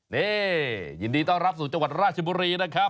นี่ยินดีต้อนรับสู่จังหวัดราชบุรีนะครับ